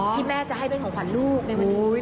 ที่แม่จะให้เป็นของขวัญลูกในวันนี้